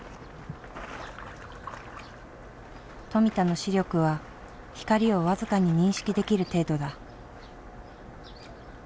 富田の視力は光を僅かに認識できる程度だ。